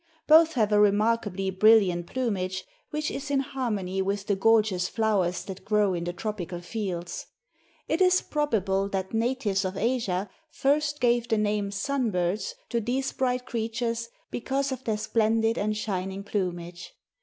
Both have a remarkably brilliant plumage which is in harmony with the gorgeous flowers that grow in the tropical fields. It is probable that natives of Asia first gave the name sun birds to these bright creatures because of their splendid and shining plumage.